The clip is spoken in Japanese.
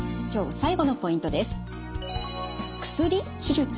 今日最後のポイントです。